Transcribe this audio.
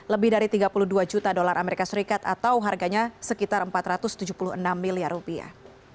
lebih dari tiga puluh dua juta dolar amerika serikat atau harganya sekitar empat ratus tujuh puluh enam miliar rupiah